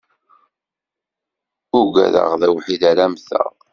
Ugdeɣ d awḥid ara mmteɣ.